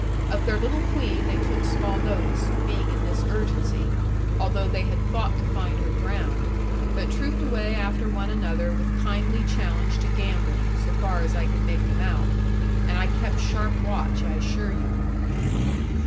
Of their little queen they took small notice, being in this urgency; although they had thought to find her drowned; but trooped away after one another with kindly challenge to gambling, so far as I could make them out; and I kept sharp watch, I assure you.